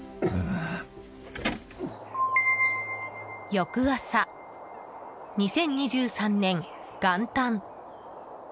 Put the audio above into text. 翌朝、２０２３年元旦。